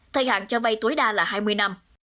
thay hạn cho vay tối đa là hai mươi năm